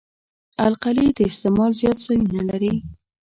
القلي د استعمال زیات ځایونه لري.